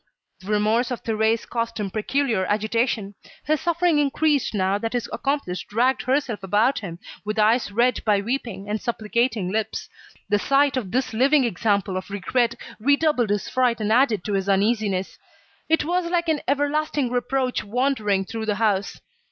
The remorse of Thérèse caused him peculiar agitation. His suffering increased now that his accomplice dragged herself about him, with eyes red by weeping, and supplicating lips. The sight of this living example of regret redoubled his fright and added to his uneasiness. It was like an everlasting reproach wandering through the house.